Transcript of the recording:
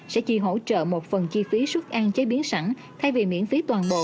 sẽ chi hỗ trợ một phần chi phí xuất ăn chế biến sẵn thay vì miễn phí toàn bộ